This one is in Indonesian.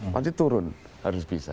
pasti turun harus bisa